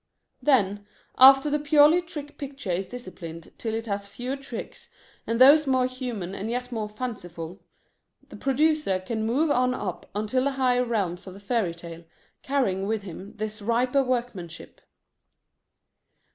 Then, after the purely trick picture is disciplined till it has fewer tricks, and those more human and yet more fanciful, the producer can move on up into the higher realms of the fairy tale, carrying with him this riper workmanship.